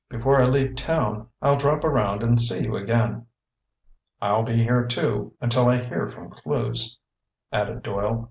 "Before I leave town I'll drop around and see you again." "I'll be here, too, until I hear from Clewes," added Doyle.